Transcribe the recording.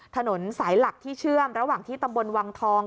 ถนนสายหลักที่เชื่อมระหว่างที่ตำบลวังทอง